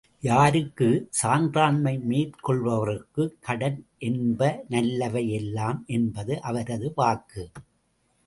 யாருக்கு? சான்றாண்மை மேற்கொள்பவர்க்குக் கடன் என்ப நல்லவை எல்லாம் என்பது அவரது வாக்கு.